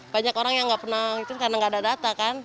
banyak orang yang nggak pernah itu karena nggak ada data kan